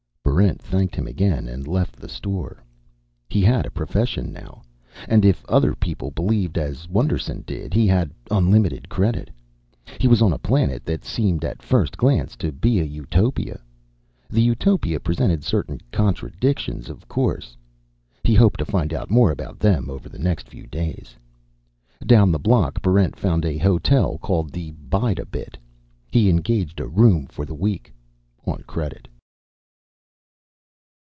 Barrent thanked him again and left the store. He had a profession now. And if other people believed as Wonderson did, he had unlimited credit. He was on a planet that seemed, at first glance, to be a utopia. The utopia presented certain contradictions, of course. He hoped to find out more about them over the next few days. Down the block, Barrent found a hotel called The Bide A Bit. He engaged a room for the week, on credit.